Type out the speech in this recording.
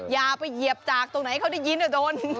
อย่าไปเหยียบจากตรงไหนเขาได้ยินโดน